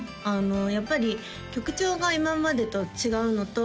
やっぱり曲調が今までと違うのと